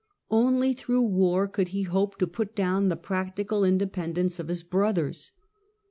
Only through war could he hope to put down the practical independence of his brothers.